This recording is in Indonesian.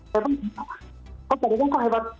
pak dadang kok hebat